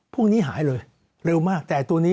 พรุ่งนี้หายเลยเร็วมากแต่ตัวนี้